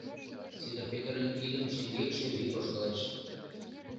Сидыр Петрын идым шеҥгекше вик ошкылеш.